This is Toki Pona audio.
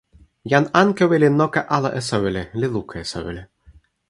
jan Ankewi li noka ala e soweli, li luka e soweli.